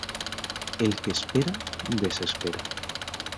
El que espera desespera.